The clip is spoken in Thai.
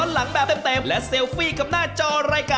เฮ้ยนี่นี่